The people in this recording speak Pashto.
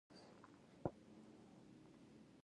د موضوع فلسفي اړخونه په پام کې دي.